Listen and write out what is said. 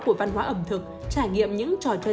của văn hóa ẩm thực trải nghiệm những trò chơi